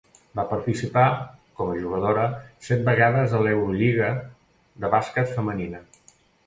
Va participar, com a jugadora, set vegades a l'Eurolliga de bàsquet femenina.